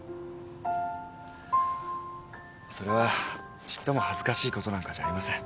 それはちっとも恥ずかしいことなんかじゃありません。